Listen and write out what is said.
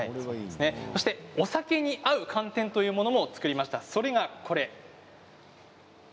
お酒に合う寒天というものも作りました。